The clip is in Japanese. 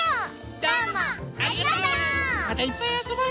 どうもありがとう！